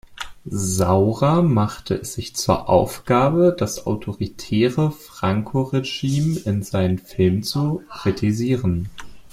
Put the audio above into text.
Saura machte es sich zur Aufgabe, das autoritäre Franco-Regime in seinen Filmen zu kritisieren.